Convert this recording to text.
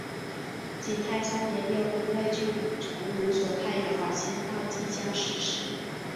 景泰三年又因为距离崇武所太远而迁到晋江石狮。